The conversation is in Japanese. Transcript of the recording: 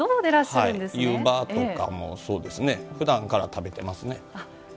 湯葉とかもそうですねふだんから食べてますね。